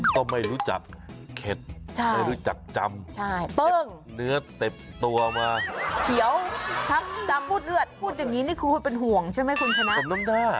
พูดอย่างนี้นี่คือเป็นห่วงใช่มั้ยคุณฉะนั้น